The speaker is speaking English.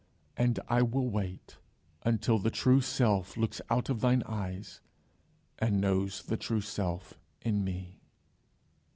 And I will wait until the true self looks out of thine eyes, and knows the true self in me.